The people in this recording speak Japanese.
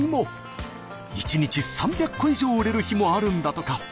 一日３００個以上売れる日もあるんだとか。